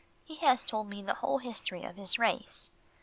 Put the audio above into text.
He has told me the whole history of his race.